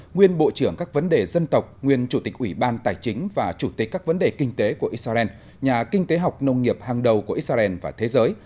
nguyên bộ trưởng các vấn đề dân tộc nguyên chủ tịch ủy ban tài chính và chủ tịch các vấn đề kinh tế của israel nhà kinh tế học nông nghiệp hàng đầu của israel và thế giới